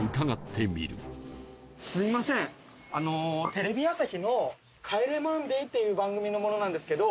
テレビ朝日の『帰れマンデー』っていう番組の者なんですけど。